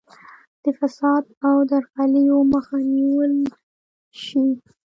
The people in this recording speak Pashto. د فساد او درغلیو مخه ونیول شي.